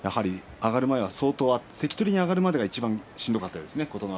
関取に上がるまでがいちばんしんどかったですね琴ノ若。